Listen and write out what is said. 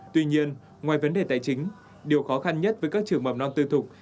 tuy nhiên ngoài vấn đề tài chính điều khó khăn nhất với các trường bầm non tư thuộc